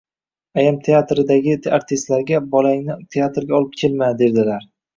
Ayam teatridagi artistlarga bolangni teatrga olib kelma, derdilar.